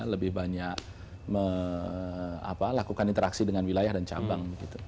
lebih banyak melakukan interaksi dengan wilayah dan cabang